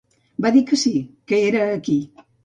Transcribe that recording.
Va dir que sí, que era aquí.